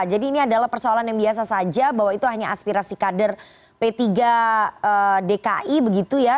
jadi ini adalah persoalan yang biasa saja bahwa itu hanya aspirasi kader p tiga dki begitu ya